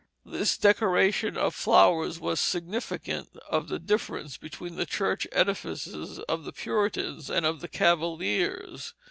This decoration of flowers was significant of the difference between the church edifices of the Puritans and of the Cavaliers.